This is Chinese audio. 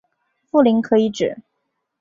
富临可以指